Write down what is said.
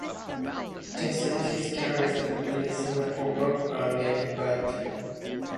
Chan started his career as a lead singer for rock band named "Poet".